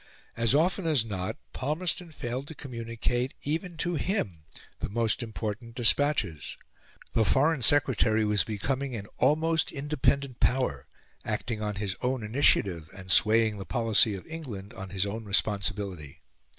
As often as not Palmerston failed to communicate even to him the most important despatches. The Foreign Secretary was becoming an almost independent power, acting on his own initiative, and swaying the policy of England on his own responsibility.